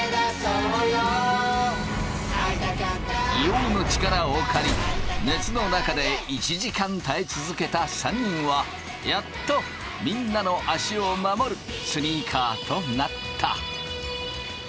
硫黄の力を借り熱の中で１時間耐え続けた３人はやっとみんなの足を守るスニーカーとなった。